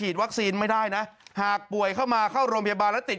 วัคซีนไม่ได้นะหากป่วยเข้ามาเข้าโรงพยาบาลแล้วติด